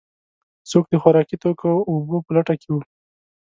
څوک د خوراکي توکو او اوبو په لټه کې و.